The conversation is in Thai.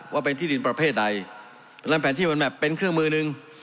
ว่าเป็นที่ดินประเภทใดดังนั้นแผนที่มันแบบเป็นเครื่องมือหนึ่ง